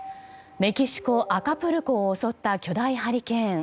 メキシコ・アカプルコを襲った巨大ハリケーン。